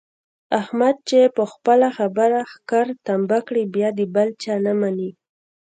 احمد چې په خپله خبره ښکر تمبه کړي بیا د بل چا نه مني.